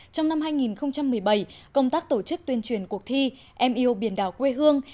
trong năm hai nghìn một mươi bảy công tác tổ chức tuyên truyền cuộc thi em yêu biển đảo quê hương